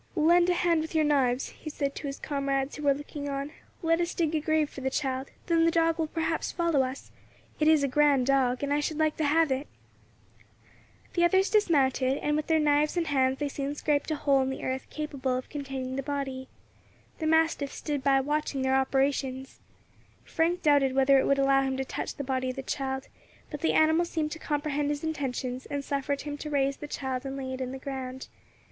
"Lend a hand with your knives," he said to his comrades, who were looking on; "let us dig a grave for the child, then the dog will perhaps follow us; it is a grand dog, and I should like to have it." The others dismounted, and with their knives and hands they soon scraped a hole in the earth capable of containing the body. The mastiff stood by watching their operations. Frank doubted whether it would allow him to touch the body of the child; but the animal seemed to comprehend his intentions, and suffered him to raise the child and lay it in the ground.